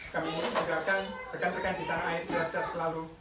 kami mengucapkan sekan sekan di tanah air selamat selamat selalu